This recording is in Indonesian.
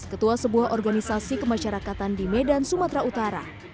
ketua sebuah organisasi kemasyarakatan di medan sumatera utara